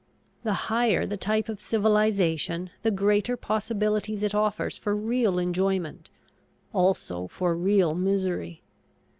The higher the type of civilization the greater possibilities it offers for real enjoyment also for real misery.